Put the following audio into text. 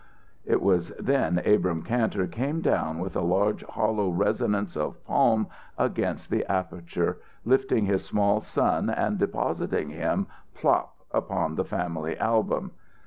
It was then Abrahm Kantor came down with a large hollow resonance of palm against the aperture, lifting his small son and depositing him plop upon the family album.